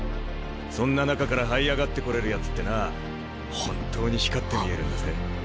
そんな中からはい上がってこれるやつってな本当に光って見えるんだぜ。